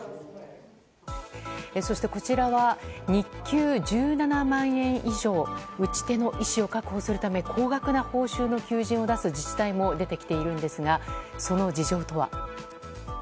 そして、こちらは日給１７万円以上打ち手の医師を確保するため高額な報酬の求人を出す自治体も出てきているんですがその事情とは。